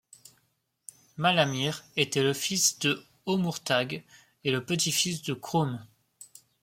Malamir était le fils de Omourtag, et le petit-fils de Krum.